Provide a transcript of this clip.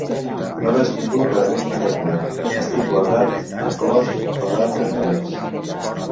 No veig ningú que de mi tinga cura, estic guardat enclòs, ferrat i pres.